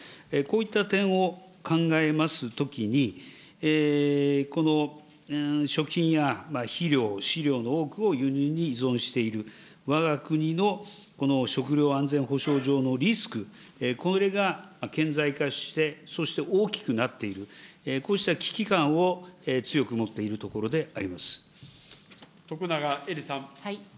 こういった点を考えますときに、この食品や肥料、飼料の多くを輸入に依存しているわが国の食料安全保障上のリスク、これが顕在化して、そして大きくなっている、こうした危機感を強徳永エリさん。